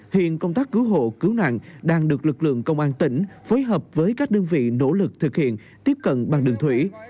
hiện công tác cứu hộ cứu nạn đang được lực lượng công an tỉnh phối hợp với các đơn vị nỗ lực thực hiện tiếp cận bằng đường thủy